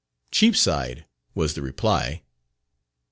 "Cheapside," was the reply.